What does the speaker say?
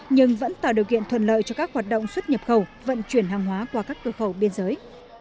nhưng vẫn tạo điều kiện thuận lợi cho các hoạt động xuất nhập khẩu vận chuyển hàng hóa qua các cơ khẩu biên giới